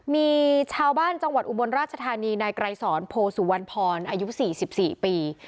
มีชาวบ้านจังหวัดอุบลราชธานีในไกรศรโพสุวรรณพรอายุสี่สิบสี่ปี